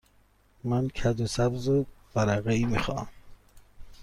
من کدو سبز ورقه ای می خواهم.